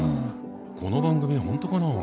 この番組本当かな？